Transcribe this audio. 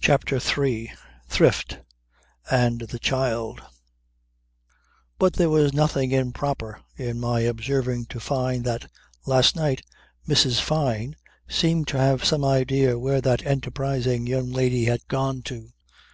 CHAPTER THREE THRIFT AND THE CHILD But there was nothing improper in my observing to Fyne that, last night, Mrs. Fyne seemed to have some idea where that enterprising young lady had gone to.